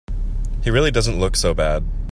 He really doesn't look so bad.